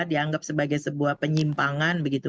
dianggap sebagai sebuah penyimpangan begitu